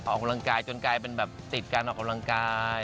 ออกกำลังกายจนกลายเป็นแบบติดการออกกำลังกาย